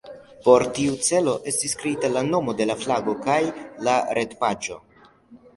Por tia celo estis kreita la nomo, la flago kaj la retpaĝo.